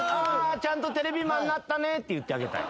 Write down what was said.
ちゃんとテレビマンなったねって言ってあげたい。